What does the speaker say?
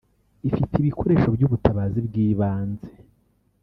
ifite ibikoresho by’ubutabazi bw’ibanze